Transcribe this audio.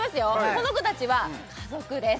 この子たちは家族です